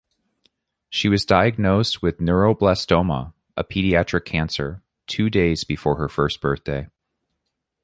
She was diagnosed with neuroblastoma, a pediatric cancer, two days before her first birthday.